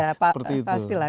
ya pasti lah